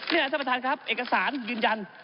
นี่ท่านประธานครับเอกสารยืนยัน